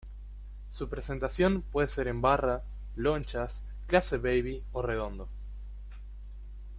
Su presentación puede ser en barra, lonchas, clase baby o redondo.